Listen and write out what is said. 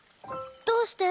どうして？